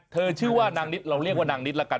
ชื่อว่านางนิดเราเรียกว่านางนิดละกัน